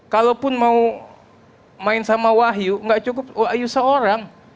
kalaupun mau main sama wahyu nggak cukup wahyu seorang